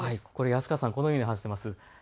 安川さん、このように話しています。